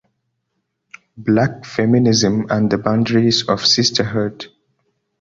Black Feminism and the Boundaries of Sisterhood.